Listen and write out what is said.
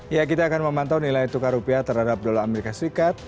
ya kita akan memantau nilai tukar rupiah terhadap dolar amerika serikat